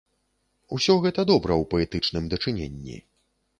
Усё гэта добра ў паэтычным дачыненні.